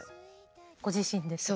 ご自身ですか？